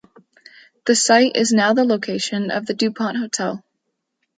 The site is now the location of the Dupont Hotel.